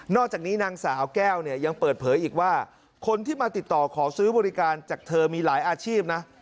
อกจากนี้นางสาวแก้วเนี่ยยังเปิดเผยอีกว่าคนที่มาติดต่อขอซื้อบริการจากเธอมีหลายอาชีพนะ